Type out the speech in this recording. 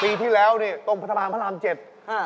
ปีที่แล้วตรงพระอาณาจิต